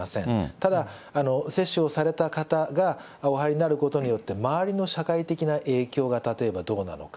ただ、接種をされた方がお入りになることによって、周りの社会的な影響が例えばどうなのか。